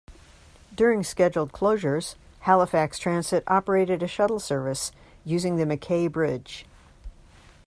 During scheduled closures, Halifax Transit operated a shuttle service using the MacKay Bridge.